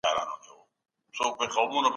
تصنع په څېړنه کې ځای نه لري.